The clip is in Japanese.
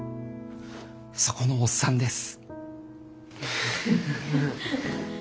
そこのおっさんです。